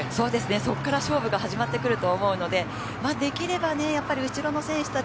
そこから勝負が始まってくると思うのでできれば後ろの選手たち